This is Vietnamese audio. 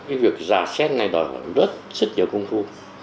cái việc giả xét ngay đòi hỏi rất rất nhiều công thu